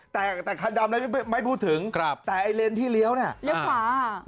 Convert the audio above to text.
แต่คันดำไม่พูดถึงแต่ไอเลนที่เลี้ยวเนี่ย